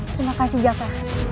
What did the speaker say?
terima kasih jaka